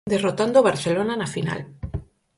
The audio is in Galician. Derrotando o Barcelona na final.